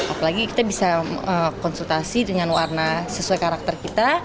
apalagi kita bisa konsultasi dengan warna sesuai karakter kita